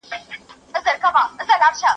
زه بايد پاکوالی وکړم!؟